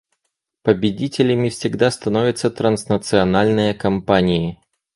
Победителями всегда становятся транснациональные компании.